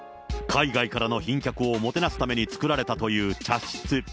海外からの賓客をもてなすために作られたという茶室。